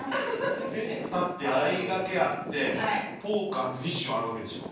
だってあいがけあってポークあってフィッシュあるわけでしょ。